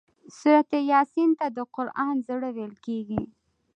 سورة یس ته د قران زړه ويل کيږي